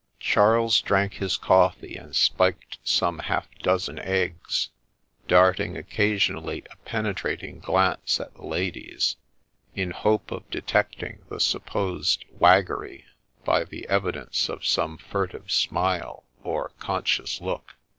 Charles drank his coffee and spiked some half dozen eggs, darting occasionally a penetrating glance at the ladies, in hope of detecting the supposed waggery by the evidence of some furtive smile or conscious look.